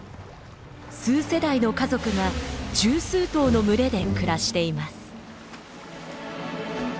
数世代の家族が十数頭の群れで暮らしています。